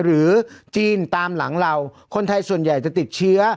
หรือจีนตามหลังเราคนไทยส่วนใหญ่จะติดเชื้อ